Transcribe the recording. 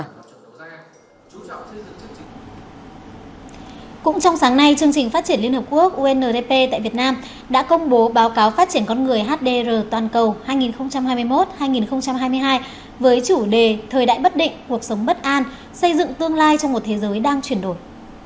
cũng trong sáng nay chương trình phát triển liên hợp quốc undp tại việt nam đã công bố báo cáo phát triển con người hdr toàn cầu hai nghìn hai mươi một hai nghìn hai mươi hai với chủ đề thời đại bất định cuộc sống bất an xây dựng tương lai trong một thế giới đang chuyển đổi